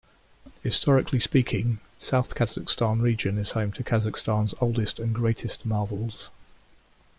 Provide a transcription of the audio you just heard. Historically speaking, South Kazakhstan Region is home to Kazakhstan's oldest and greatest marvels.